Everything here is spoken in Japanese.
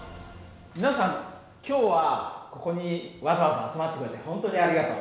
皆さん今日はここにわざわざ集まってくれて本当にありがとう。